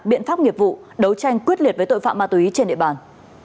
biện pháp nghiệp vụ đấu tranh quyết liệt với tội phạm ma túy trên địa bàn